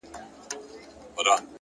• زه د یویشتم قرن غضب ته فکر نه کوم،